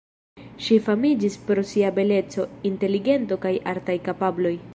Ŝi famiĝis pro sia beleco, inteligento kaj artaj kapabloj.